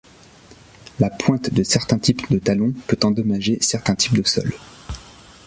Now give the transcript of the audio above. La pointe de certains types de talons peut endommager certains types de sol.